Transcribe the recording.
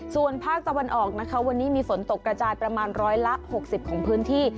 ส่วนภาคตะวันออกนะคะวันนี้มีฝนตกกระจายประมาณร้อยละ๖๐ของพื้นที่